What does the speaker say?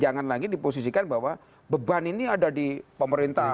jangan lagi di posisikan bahwa beban ini ada di pemerintah